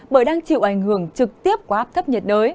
bởi đang chịu ảnh hưởng trực tiếp của áp thấp nhiệt đới